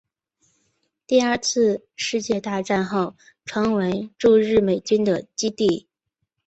第二次世界大战后成为驻日美军的基地。